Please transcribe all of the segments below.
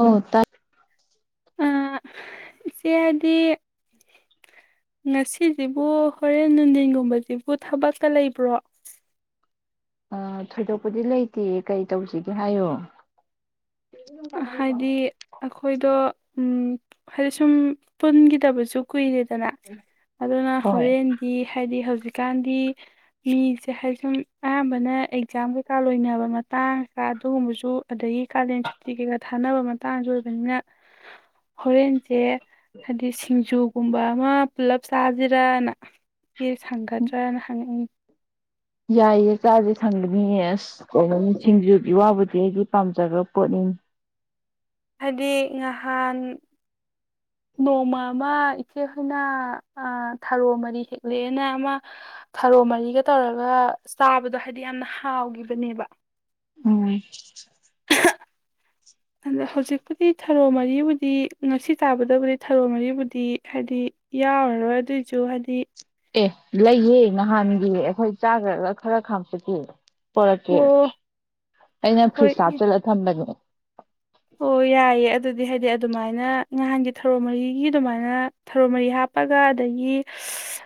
ꯑꯣ ꯇꯥꯏ ꯏꯆꯦ ꯍꯥꯏꯗꯤ ꯉꯁꯤꯁꯤꯕꯨ ꯍꯣꯔꯦꯟ ꯅꯨꯡꯙꯤꯟꯒꯨꯝꯕꯁꯤꯕꯨ ꯊꯕꯛꯇ ꯂꯩꯕ꯭ꯔꯣ ꯊꯣꯏꯗꯣꯛꯄꯨꯗꯤ ꯂꯩꯇꯦ ꯀꯩ ꯇꯧꯁꯤꯒꯦ ꯍꯥꯏꯌꯣ ꯍꯥꯏꯗꯤ ꯑꯩꯈꯣꯏꯗꯣ ꯎꯝ ꯍꯥꯏꯗꯤ ꯁꯨꯝ ꯄꯨꯟꯈꯤꯗꯕꯁꯨ ꯀꯨꯏꯔꯦ ꯑꯗꯨꯅ ꯍꯣꯏ ꯍꯣꯔꯦꯟꯗꯤ ꯍꯥꯏꯗꯤ ꯍꯧꯖꯤꯛ ꯍꯧꯖꯤꯛꯀꯥꯟꯗꯤ ꯃꯤꯁꯦ ꯍꯥꯏ ꯁꯨꯝ ꯑꯌꯥꯝꯕꯅ ꯑꯦꯛꯖꯥꯝ ꯀꯩꯀꯥ ꯂꯣꯏꯅꯕ ꯃꯇꯥꯡ ꯀ ꯑꯗꯨꯒꯨꯝꯕꯁꯨ ꯑꯗꯒꯤ ꯀꯥꯂꯦꯟꯠ ꯀꯩꯀꯥ ꯊꯥꯅꯕ ꯃꯇꯥꯡꯁꯨ ꯑꯣꯏꯕꯅꯤꯅ ꯍꯣꯔꯦꯟꯁꯦ ꯍꯥꯏꯗꯤ ꯁꯤꯡꯖꯨ ꯀꯨꯝꯕ ꯑꯃ ꯄꯨꯜꯂꯞ ꯁꯥꯁꯤꯔꯅ ꯌꯦ ꯁꯪꯒꯗ꯭ꯔꯅ ꯍꯪꯉꯛꯏ ꯌꯥꯏꯌꯦ ꯆꯥꯥꯁꯦ ꯁꯪꯒꯅꯤꯌꯦ ꯑꯁ꯭ ꯀꯩꯅꯣ ꯁꯤꯡꯖꯨꯒꯤ ꯋꯥꯕꯨꯗꯤ ꯑꯩꯗꯤ ꯄꯥꯝꯖꯕ ꯄꯣꯠꯅꯤꯅꯤ ꯍꯥꯏꯗꯤ ꯉꯍꯥꯟ ꯅꯣꯡꯃ ꯑꯃ ꯏꯆꯦꯍꯣꯏꯅ ꯊꯥꯔꯣ ꯃꯔꯤ ꯍꯦꯛꯂꯛꯑꯦꯅ ꯑꯃ ꯊꯔꯣ ꯃꯔꯤꯒ ꯇꯧꯔꯒ ꯆꯥꯕꯗꯣ ꯍꯥꯏꯕꯗꯤ ꯌꯥꯝꯅ ꯍꯥꯎꯈꯤꯕꯅꯦꯕ ꯎꯝ ꯑꯗꯣ ꯍꯧꯖꯤꯛꯄꯨꯗꯤ ꯊꯔꯣ ꯃꯔꯤꯕꯨꯗꯤ ꯉꯁꯤ ꯇꯥꯕꯗꯕꯨꯗꯤ ꯊꯔꯣ ꯃꯔꯤꯕꯨꯗꯤ ꯍꯥꯏꯗꯤ ꯌꯥꯎꯔꯔꯣꯏ ꯑꯗꯨꯏꯁꯨ ꯍꯥꯏꯗꯤ ꯑꯦ ꯂꯩꯌꯦꯦ ꯅꯍꯥꯟꯒꯤ ꯑꯩꯈꯣꯏ ꯆꯥꯈ꯭ꯔꯒ ꯈꯔ ꯈꯥꯝꯆꯀꯦꯕ ꯄꯣꯔꯛꯀꯦ ꯑꯣ ꯑꯩꯅ ꯍꯣꯏ ꯐ꯭ꯔꯤꯁꯞ ꯏ ꯆꯠꯂ ꯊꯝꯕꯅꯦ ꯑꯣ ꯌꯥꯏꯑꯦ ꯑꯗꯨꯗꯤ ꯍꯥꯏꯗꯤ ꯑꯗꯨꯃꯥꯏꯅ ꯅꯍꯥꯟꯒꯤ ꯊꯔꯣ ꯃꯔꯤꯒꯤ ꯑꯗꯨꯃꯥꯏꯅ ꯊꯔꯣ ꯃꯔꯤ ꯍꯥꯞꯄꯒ ꯑꯗꯒꯤ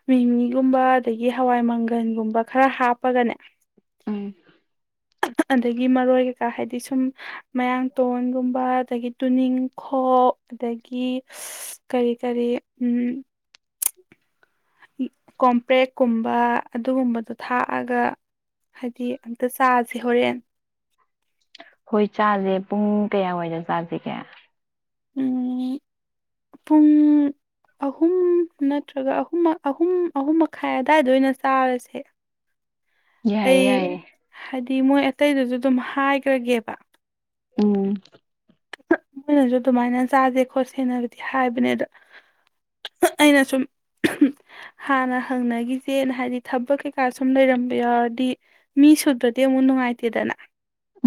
ꯃꯤꯃꯤꯒꯨꯝꯕ ꯑꯗꯒꯤ ꯍꯋꯥꯏ ꯃꯪꯒꯟꯒꯨꯝꯕ ꯈꯔ ꯍꯥꯞꯄꯒꯅꯦ ꯎꯝ ꯑꯗꯒꯤ ꯃꯔꯣꯏ ꯀꯩꯀꯥ ꯍꯥꯏꯕꯗꯤ ꯁꯨꯝ ꯃꯌꯥꯡ ꯇꯣꯟꯒꯨꯝꯕ ꯑꯗꯒꯤ ꯇꯨꯅꯤꯡ ꯈꯣꯛ ꯑꯗꯒꯤ ꯀꯔꯤ ꯀꯔꯤ ꯀꯣꯝꯄ꯭ꯔꯦꯛꯀꯨꯝꯕ ꯑꯗꯨꯒꯨꯝꯕꯗꯣ ꯊꯥꯛꯑꯒ ꯍꯥꯏꯗꯤ ꯑꯝꯇ ꯆꯥꯁꯦ ꯍꯣꯔꯦꯟ ꯍꯣꯏ ꯆꯥꯁꯦ ꯄꯨꯡ ꯀꯌꯥꯋꯥꯏꯗ ꯆꯥꯁꯤꯒꯦ ꯄꯨꯡ ꯑꯍꯨꯝ ꯅꯠꯇ꯭ꯔꯒ ꯑꯍꯨꯝ ꯑꯍꯨꯝ ꯑꯍꯨꯝ ꯃꯈꯥꯏ ꯑꯋꯥꯏꯗ ꯑꯣꯏꯅ ꯆꯥꯔꯁꯦ ꯌꯥꯏ ꯌꯥꯏꯌꯦ ꯑꯩ ꯍꯥꯏꯗꯤ ꯃꯣꯏ ꯑꯇꯩꯗꯨꯁꯨ ꯑꯗꯨꯝ ꯍꯥꯏꯈ꯭ꯔꯒꯦꯕ ꯎꯝ ꯃꯣꯏꯅꯁꯨ ꯑꯗꯨꯃꯥꯏꯅ ꯆꯥꯁꯦ ꯈꯣꯠꯁꯦꯅꯕꯨꯗꯤ ꯍꯥꯏꯕꯅꯦ ꯑꯗ ꯑꯩꯅ ꯁꯨꯝ ꯍꯥꯟꯅ ꯍꯪꯅꯈꯤꯁꯦꯅ ꯍꯥꯏꯗꯤ ꯊꯕꯛ ꯀꯩꯀꯥ ꯁꯨꯝ ꯂꯩꯔꯝꯕ ꯌꯥꯎꯔꯗꯤ ꯃꯤ ꯁꯨꯗ꯭ꯔꯗꯤ ꯑꯃꯨꯛ ꯅꯨꯡꯉꯥꯏꯇꯦꯗꯅ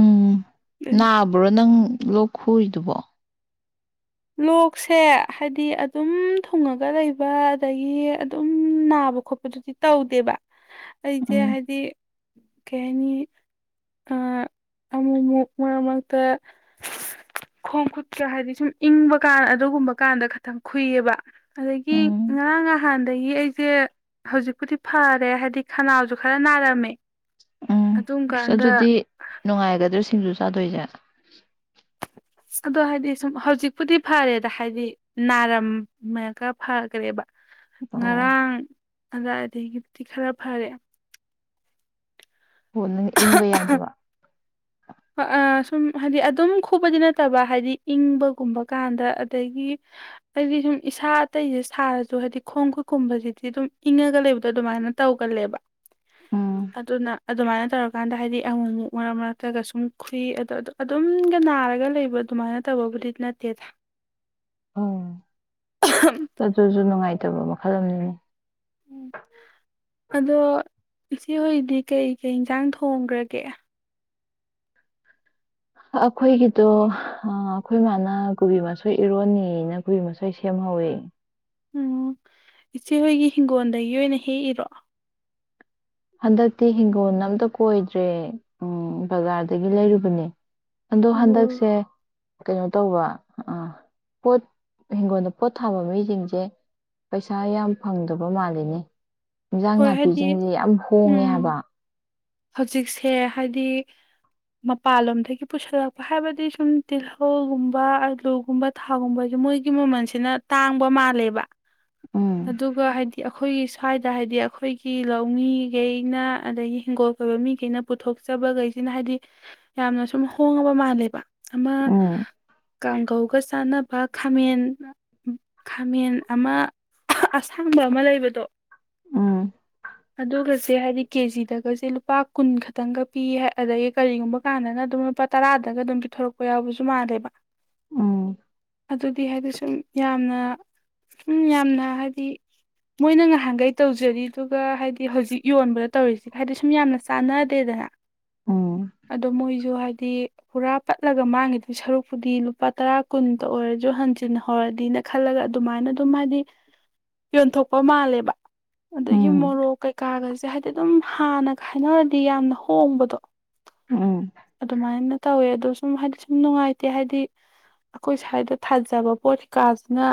ꯎꯝ ꯅꯥꯕ꯭ꯔꯣ ꯅꯪ ꯂꯣꯛ ꯈꯨꯔꯤꯗꯨꯕꯣ ꯂꯣꯛꯁꯦ ꯍꯥꯏꯗꯤ ꯑꯗꯨꯝ ꯊꯨꯡꯉꯒ ꯂꯩꯕ ꯑꯗꯒꯤ ꯑꯗꯨꯝ ꯅꯥꯕ ꯈꯣꯠꯄꯗꯨꯗꯤ ꯇꯧꯗꯦꯕ ꯑꯩꯁꯦ ꯎꯝ ꯍꯥꯏꯗꯤ ꯀꯩ ꯍꯥꯏꯅꯤ ꯑꯃꯨꯛ ꯑꯃꯨꯛ ꯃꯔꯛ ꯃꯔꯛꯇ ꯈꯣꯡ ꯈꯨꯠꯠꯇ ꯍꯥꯏꯗꯤ ꯁꯨꯝ ꯏꯪꯕ ꯀꯥꯟ ꯑꯗꯨꯒꯨꯝꯕ ꯀꯥꯟꯗ ꯈꯈꯤꯇꯪ ꯈꯨꯨꯏꯌꯦꯕ ꯑꯗꯒꯤ ꯎꯝ ꯉꯔꯥꯡ ꯅꯍꯥꯟꯗꯒꯤ ꯑꯩ ꯁꯦ ꯍꯧꯖꯤꯛꯄꯨꯗꯤ ꯐꯔꯦ ꯍꯥꯏꯕꯗꯤ ꯈꯅꯥꯎꯁꯨ ꯈꯔ ꯅꯥꯔꯝꯃꯦ ꯎꯝ ꯑꯗꯨꯝ ꯀꯥꯟꯗ ꯑꯗꯨꯗꯤ ꯅꯨꯡꯉꯥꯏꯒꯗ꯭ꯔ ꯁꯤꯡꯁꯨ ꯆꯥꯗꯣꯏꯁꯦ ꯑꯗꯣ ꯍꯥꯏꯗꯤ ꯁꯨꯝ ꯍꯧꯖꯤꯛꯄꯨꯗꯤ ꯐꯔꯦꯗ ꯍꯥꯏꯗꯤ ꯅꯥꯔꯝꯃꯀ ꯐꯈ꯭ꯔꯦꯕ ꯑꯣ ꯉꯔꯥꯡ ꯑꯂ ꯑꯗꯒꯤꯕꯨꯗꯤ ꯈꯔ ꯐꯔꯦ ꯍꯣ ꯅꯪ ꯏꯪꯕ ꯌꯥꯗꯕ ꯁꯨꯝ ꯍꯥꯏꯗꯤ ꯑꯗꯨꯝ ꯈꯨꯕꯗꯤ ꯅꯠꯇꯕ ꯍꯥꯏꯗꯤ ꯏꯪꯕꯒꯨꯝꯕ ꯀꯥꯟꯗ ꯑꯗꯒꯤ ꯑꯩꯗꯤ ꯁꯨꯝ ꯏꯁꯥ ꯑꯇꯩꯁꯦ ꯁꯥꯔꯁꯨ ꯍꯥꯏꯗꯤ ꯈꯣꯡ ꯈꯨꯠꯀꯨꯝꯕꯁꯤꯗꯤ ꯑꯗꯨꯝ ꯏꯪꯉꯒ ꯂꯩꯕꯗꯣ ꯑꯗꯨꯃꯥꯏꯅ ꯇꯧꯒꯜꯂꯦꯕ ꯑꯗꯨꯅ ꯑꯗꯨꯃꯥꯏꯅ ꯇꯧꯔꯀꯥꯟꯗ ꯍꯥꯏꯗꯤ ꯔꯒ ꯑꯗꯨꯝ ꯈꯨꯨꯏ ꯑꯗꯣ ꯑꯗꯨꯝꯒ ꯅꯥꯔꯒ ꯂꯩꯕ ꯑꯗꯨꯃꯥꯏꯅ ꯇꯧꯕꯕꯨꯗꯤ ꯅꯠꯇꯦꯗ ꯑꯣ ꯆꯖꯣꯁꯨꯨ ꯅꯨꯡꯉꯥꯏꯇ ꯇꯕ ꯃꯈꯜ ꯑꯃꯅꯤ ꯎꯝ ꯑꯗꯣ ꯏꯆꯦꯍꯣꯏꯗꯤ ꯀꯩꯀꯩ ꯏꯟꯁꯥꯡ ꯊꯣꯡꯈ꯭ꯔꯒꯦ ꯑꯩꯈꯣꯏꯒꯤꯗꯣ ꯑꯩꯈꯣꯏ ꯃꯥꯅ ꯀꯣꯕꯤ ꯃꯁꯣꯏ ꯏꯔꯣꯟꯅꯤꯅ ꯀꯣꯕꯤ ꯃꯁꯣꯏ ꯁꯦꯝꯍꯧꯋ ꯎꯝ ꯏꯆꯦꯍꯣꯏꯒꯤ ꯏꯤꯡꯒꯣꯜꯗꯒꯤ ꯑꯣꯏꯅ ꯍꯦꯛꯏꯔꯣ ꯍꯟꯗꯛꯇꯤ ꯍꯤꯡꯒꯣꯜ ꯑꯝꯇ ꯀꯣꯏꯗ꯭ꯔꯦ ꯎꯝ ꯕꯖꯥꯔꯗꯒꯤ ꯂꯩꯔꯨꯕꯅꯦ ꯑꯗꯣ ꯎꯝ ꯍꯟꯗꯛꯁꯦ ꯀꯩꯅꯣ ꯇꯧꯕ ꯑ ꯄꯣꯠ ꯍꯤꯡꯒꯣꯜꯗ ꯄꯣꯠ ꯊꯥꯕ ꯃꯤꯁꯤꯡꯁꯦ ꯄꯩꯁꯥ ꯌꯥꯝ ꯐꯪꯗꯕ ꯃꯥꯜꯂꯤꯅꯤ ꯏꯟꯖꯥꯡ ꯍꯣꯏ ꯍꯥꯏꯗꯤ ꯅꯥꯄꯤꯁꯤꯡꯁꯦ ꯌꯥꯝ ꯎꯝ ꯇꯣꯡꯉꯦꯕ ꯍꯧꯖꯤꯛꯁꯦ ꯍꯥꯏꯗꯤ ꯃꯄꯥꯟꯂꯣꯝꯗꯒꯤ ꯄꯨꯁꯜꯂꯛꯄ ꯍꯥꯏꯕꯗꯤ ꯁꯨꯝ ꯇꯤꯜꯍꯧꯒꯨꯝꯕ ꯑꯂꯨꯒꯨꯝꯕ ꯊꯥꯒꯨꯝꯕꯁꯦ ꯃꯣꯏꯒꯤ ꯃꯃꯜꯁꯤꯅ ꯇꯥꯡꯕ ꯃꯥꯜꯂꯦꯕ ꯎꯝ ꯑꯗꯨꯒ ꯍꯥꯏꯗꯤ ꯑꯩꯈꯣꯏꯒꯤ ꯁ꯭ꯋꯥꯏꯗ ꯍꯥꯏꯗꯤ ꯑꯩꯈꯣꯏꯒꯤ ꯂꯧꯃꯤꯈꯩꯅ ꯑꯗꯒꯤ ꯍꯤꯡꯒꯣꯜ ꯀꯣꯏꯕ ꯃꯤꯈꯩꯅ ꯄꯨꯊꯣꯛꯆꯕꯈꯩꯁꯤꯅ ꯍꯥꯏꯗꯤ ꯌꯥꯝꯅ ꯁꯨꯝ ꯍꯣꯡꯉꯕ ꯃꯥꯜꯂꯦꯕ ꯑꯃꯃ ꯎꯝ ꯀꯥꯡꯒꯧꯒ ꯁꯥꯟꯅꯕ ꯈꯥꯃꯦꯟ ꯈꯥꯃꯦꯟ ꯑꯃ ꯑꯁꯥꯡꯕ ꯑꯃ ꯂꯩꯕꯗꯣ ꯎꯝ ꯑꯗꯨꯒꯁꯦ ꯍꯥꯏꯗꯤ ꯀꯦꯖꯤꯗꯒꯁꯦ ꯂꯨꯄꯥ ꯀꯨꯟ ꯈꯛꯇꯪꯒ ꯄꯤ ꯑꯗꯒꯤ ꯀꯔꯤꯒꯨꯝꯕ ꯀꯥꯟꯗꯅ ꯑꯗꯨꯝ ꯂꯨꯄꯥ ꯇꯔꯥꯗꯒ ꯑꯗꯨꯝ ꯄꯤꯊꯣꯔꯛꯄ ꯌꯥꯎꯕꯁꯨ ꯃꯥꯜꯂꯦꯕ ꯎꯝ ꯑꯗꯨꯗꯤ ꯍꯥꯏꯗꯤ ꯁꯨꯝ ꯌꯥꯝꯅ ꯁꯨꯝ ꯌꯥꯝꯅ ꯍꯥꯏꯗꯤ ꯃꯣꯏꯅ ꯉꯍꯥꯟꯈꯩ ꯇꯧꯖꯔꯤ ꯑꯗꯨ ꯑꯗꯨꯒ ꯍꯥꯏꯗꯤ ꯍꯧꯖꯤꯛ ꯌꯣꯟꯕꯗ ꯇꯧꯔꯤꯁꯤꯒ ꯍꯥꯏꯗꯤ ꯁꯨꯝ ꯌꯥꯝꯅ ꯆꯥꯟꯅꯗꯦꯗꯅ ꯎꯝ ꯑꯗꯣ ꯃꯣꯏꯁꯨ ꯍꯥꯏꯦ ꯍꯥꯏꯗꯤ ꯄꯨꯔꯥ ꯄꯠꯂꯒ ꯃꯥꯡꯉꯤꯗꯨꯒꯤ ꯁꯔꯨꯛꯄꯨꯗꯤ ꯂꯨꯄꯥ ꯇꯔꯥ ꯀꯨꯟꯇ ꯑꯣꯏꯔꯁꯨ ꯍꯟꯖꯤꯟ ꯍꯧꯧꯔꯗꯤꯅ ꯈꯜꯂꯒ ꯑꯗꯨꯃꯥꯏꯅ ꯑꯗꯨꯝ ꯍꯥꯏꯗꯤ ꯌꯣꯟꯊꯣꯛꯄ ꯃꯥꯜꯂꯦꯕ ꯎꯝ ꯄꯣꯛ ꯀꯩꯀꯥꯒꯁꯦ ꯍꯥꯏꯗꯤ ꯑꯗꯨꯝ ꯍꯥꯟꯅꯒ ꯍꯥꯏꯅꯔꯗꯤ ꯌꯥꯝꯅ ꯍꯣꯡꯕꯗꯣ ꯎꯝ ꯑꯗꯨꯃꯥꯏꯅ ꯇꯧꯋꯦ ꯑꯗꯨ ꯁꯨꯝ ꯍꯥꯏꯗꯤ ꯁꯨꯝ ꯅꯨꯡꯉꯥꯏꯇꯦ ꯍꯥꯏꯗꯤ ꯑꯩꯈꯣꯏ ꯁ꯭ꯋꯥꯏꯗ ꯊꯥꯖꯕ ꯄꯣꯠ ꯀꯩꯀꯥꯁꯤꯅ